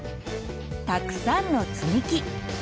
たくさんのつみき。